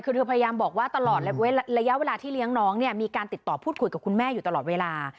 คือเธอพยายามบอกว่าตลอดระยะเวลาที่เลี้ยงน้องเนี่ยมีการติดต่อพูดคุยกับคุณแม่อยู่ตลอดเวลา